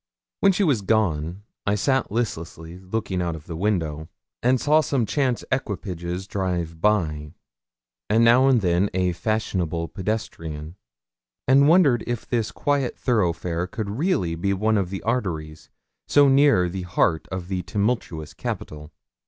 When she was gone, I sat listlessly looking out of the window, and saw some chance equipages drive by, and now and then a fashionable pedestrian; and wondered if this quiet thoroughfare could really be one of the arteries so near the heart of the tumultuous capital.